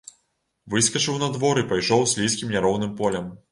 Выскачыў на двор і пайшоў слізкім няроўным полем.